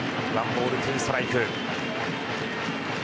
１ボール２ストライク。